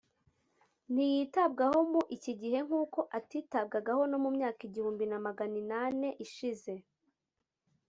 ,ntiyitabwaho mu iki gihe nk’uko atitabwagaho no mu myaka igihumbi na maganinane ishize